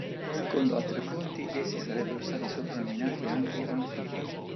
Secondo altre fonti essi sarebbero stati soprannominati anche "anfibi".